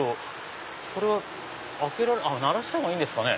これは開けられる鳴らしたほうがいいんですかね。